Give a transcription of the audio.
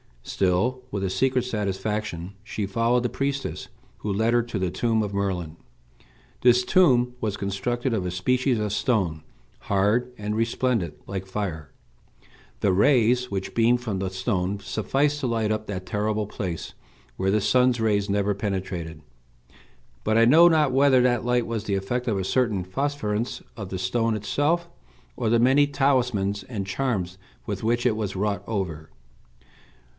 Still, with a secret satisfaction, she followed the priestess, who led her to the tomb of Merlin. This tomb was constructed of a species of stone hard and resplendent like fire. The rays which beamed from the stone sufficed to light up that terrible place, where the sun's rays never penetrated; but I know not whether that light was the effect of a certain phosphorescence of the stone itself, or of the many talismans and charms with which it was wrought over.